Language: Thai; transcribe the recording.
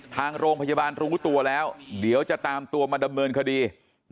ทางโรงพยาบาลรู้ตัวแล้วเดี๋ยวจะตามตัวมาดำเนินคดี